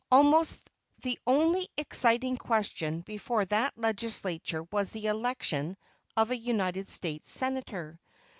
Almost the only exciting question before that legislature was the election of an United States Senator.